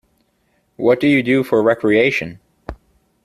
What do you do for recreation?